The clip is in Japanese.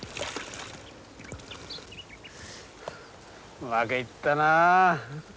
うまくいったな。